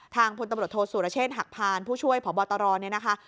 ทางพตศหักพานผู้ช่วยผบตรเนี่ยนะคะ